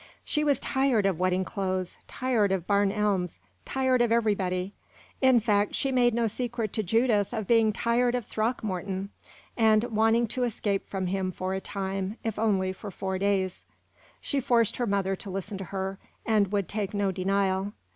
She was tired of wedding clothes tired of Barn Elms tired of everybody; in fact, she made no secret to Judith of being tired of Throckmorton, and wanting to escape from him for a time, if only for four days. She forced her mother to listen to her, and would take no denial.